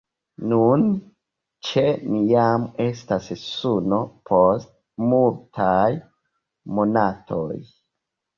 Nun ĉe ni jam estas suno post multaj monatoj.